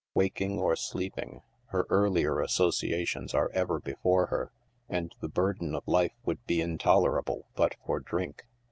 Waking or sleeping, her earlier associa tions are ever before her, and the burden of life would be intolera ble but for drink.